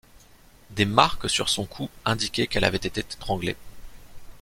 Des marques sur son cou indiquaient qu'elle avait été étranglée.